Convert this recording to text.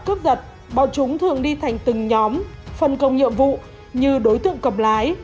cướp giật bọn chúng thường đi thành từng nhóm phân công nhiệm vụ như đối tượng cầm lái